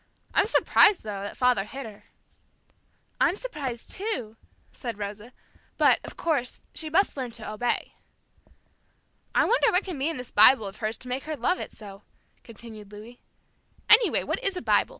I'm surprised, though, that father hit her." "I'm surprised too," said Rosa, "but, of course, she must learn to obey." "I wonder what can be in this Bible of hers to make her love it so," continued Louis. "Any way, what is a Bible?